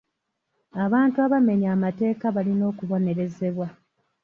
Abantu abamenya amateeka balina okubonerezebwa.